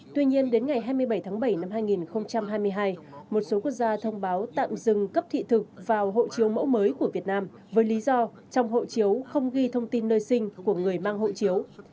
tuy nhiên đến ngày hai mươi bảy tháng bảy năm hai nghìn hai mươi hai một số quốc gia thông báo tạm dừng cấp thị thực vào hộ chiếu mẫu mới của việt nam với lý do trong hộ chiếu không ghi thông tin nơi sinh của người mang hộ chiếu